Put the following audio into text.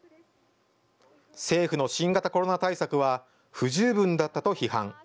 政府の新型コロナ対策は不十分だったと批判。